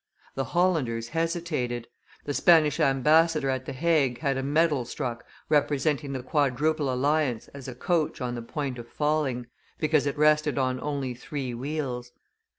The Hollanders hesitated; the Spanish ambassador at the Hague had a medal struck representing the quadruple alliance as a coach on the point of falling, because it rested on only three wheels.